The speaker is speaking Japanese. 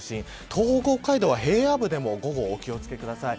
東北、北海道は平野部でも今日午後、お気を付けください。